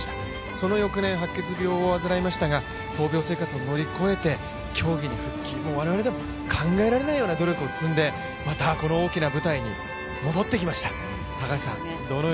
その翌年、白血病を患いましたが闘病生活を乗り越えて競技に復帰、我々でも考えられないような努力を積んで、この大きな舞台に戻ってきました。